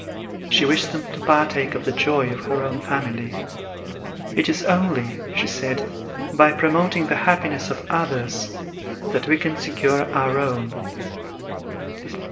She wished them to partake of the joy of her own family. "It is only," she said, "by promoting the happiness of others, that we can secure our own."